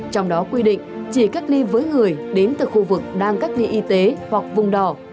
trong đó quy định chỉ cách ly với người đến từ khu vực đang cách ly y tế hoặc vùng đỏ